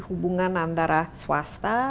hubungan antara swasta